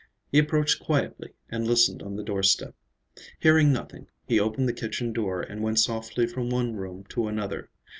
He approached quietly and listened on the doorstep. Hearing nothing, he opened the kitchen door and went softly from one room to another.